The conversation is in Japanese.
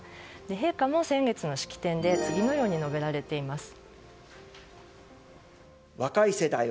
陛下も先月の式典で次のように述べられています。